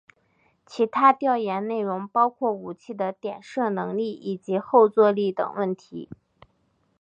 其他调研内容包括武器的点射能力以及后座力等问题。